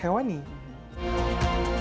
jumlahnya mungkin juga cukup menarik